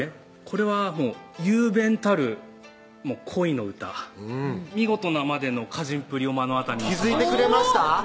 これはもう雄弁たる恋の歌見事なまでの歌人っぷりを気付いてくれました？